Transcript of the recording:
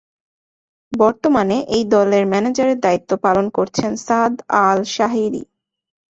বর্তমানে এই দলের ম্যানেজারের দায়িত্ব পালন করছেন সাদ আল শাহিরি।